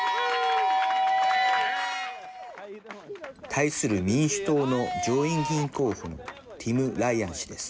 対する民主党の上院議員候補のティム・ライアン氏です。